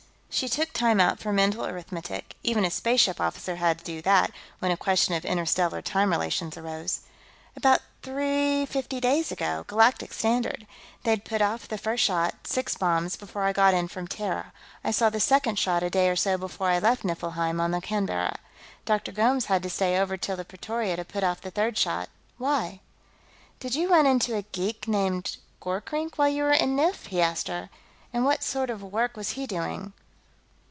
She took time out for mental arithmetic; even a spaceship officer had to do that, when a question of interstellar time relations arose. "About three fifty days ago, Galactic Standard. They'd put off the first shot, six bombs, before I got in from Terra. I saw the second shot a day or so before I left Niflheim on the Canberra. Dr. Gomes had to stay over till the Pretoria to put off the third shot. Why?" "Did you run into a geek named Gorkrink, while you were on Nif?" he asked her. "And what sort of work was he doing?"